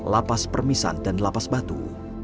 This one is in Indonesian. lapas permisan dan lapas batu